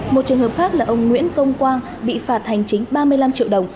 một trường hợp khác là ông nguyễn công quang bị phạt hành chính ba mươi năm triệu đồng